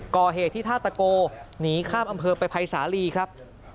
ก่อเหตุที่ท่าตะโกหนีข้ามอำเภอไปภัยสาลีครับ